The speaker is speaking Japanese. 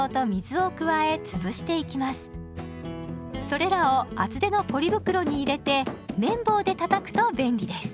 それらを厚手のポリ袋に入れてめん棒でたたくと便利です。